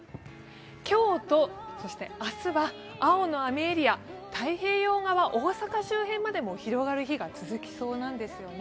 今日と明日は青の雨エリア、太平洋側、大阪周辺までも広がる日が続きそうなんですね。